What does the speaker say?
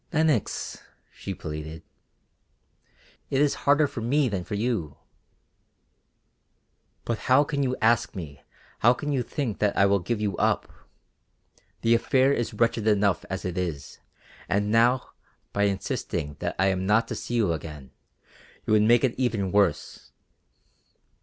"Lenox," she pleaded, "it is harder for me than for you." "But how can you ask me, how can you think that I will give you up? The affair is wretched enough as it is, and now, by insisting that I am not to see you again, you would make it even worse.